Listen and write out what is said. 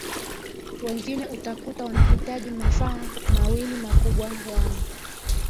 wengine utakuta wanahitaji mafaa mawili makubwa wana